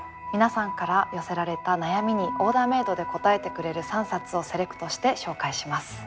皆さんから寄せられた悩みにオーダーメードで答えてくれる３冊をセレクトして紹介します。